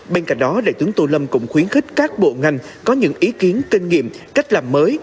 bên cạnh đó đại tướng tô lâm cũng khuyến khích các bộ ngành có những ý kiến kinh nghiệm cách làm mới